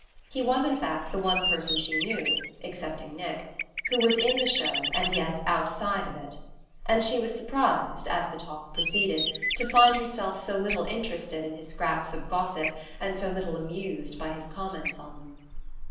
He was in fact the one person she knew (excepting Nick) who was in the show and yet outside of it; and she was surprised, as the talk proceeded, to find herself so little interested in his scraps of gossip, and so little amused by his comments on them.